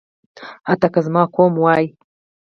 حتی که زما قوم وايي.